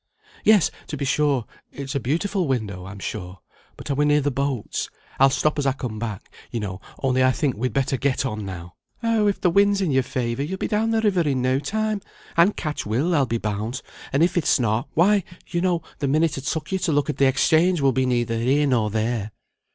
"Yes, to be sure it's a beautiful window, I'm sure. But are we near the boats? I'll stop as I come back, you know; only I think we'd better get on now." "Oh! if the wind's in your favour, you'll be down the river in no time, and catch Will, I'll be bound; and if it's not, why, you know, the minute it took you to look at the Exchange will be neither here nor there."